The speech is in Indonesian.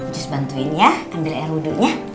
cus bantuin ya ambil air wudhunya